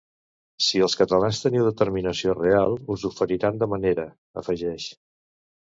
“Si els catalans teniu determinació real, us oferiran la manera”, afegeix.